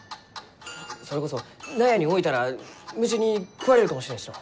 それこそ納屋に置いたら虫に食われるかもしれんしの。